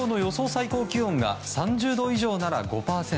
最高気温が３０度以上なら５％